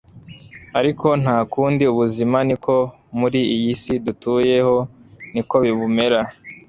ariko ntakundi ubuzima niko muri iyi si dutuyeho niko bumera